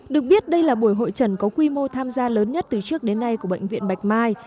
được biết đây là buổi hội trần có quy mô tham gia lớn nhất từ trước đến nay của bệnh viện bạch mai